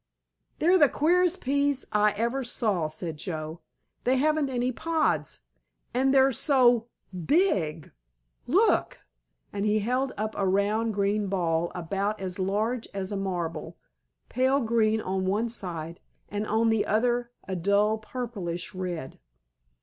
"They're the queerest peas I ever saw," said Joe; "they haven't any pods, and they're so big, look!" and he held up a round green ball about as large as a marble, pale green on one side and on the other a dull, purplish red.